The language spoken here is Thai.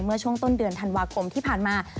เมื่อช่วงต้นเดือนธันวาคมที่ผ่านมา